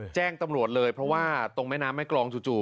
แจ้งตำรวจเลยเพราะว่าตรงแม่น้ำแม่กรองจู่